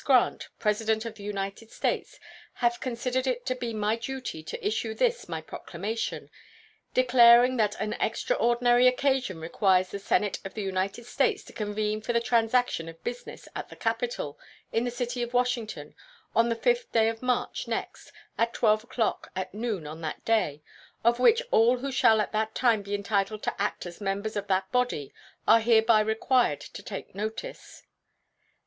Grant, President of the United States, have considered it to be my duty to issue this my proclamation, declaring that an extraordinary occasion requires the Senate of the United States to convene for the transaction of business at the Capitol, in the city of Washington, on the 5th day of March next, at 12 o'clock at noon on that day, of which all who shall at that time be entitled to act as members of that body are hereby required to take notice.